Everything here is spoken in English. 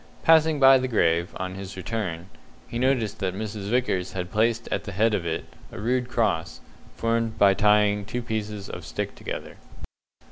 Passing by the grave, on his return, he noticed that Mrs. Vickers had placed at the head of it a rude cross, formed by tying two pieces of stick together.